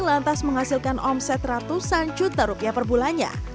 lantas menghasilkan omset ratusan juta rupiah per bulannya